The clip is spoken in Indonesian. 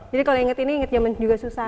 jadi kalau inget ini inget jaman juga susah